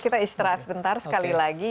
kita istirahat sebentar sekali lagi